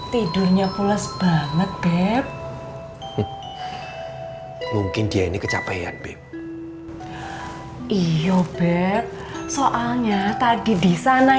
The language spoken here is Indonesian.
tidurnya pulas banget beb mungkin dia ini kecapean beb iyo beb soalnya tadi di sana